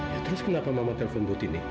ya terus kenapa mama telpon bu tini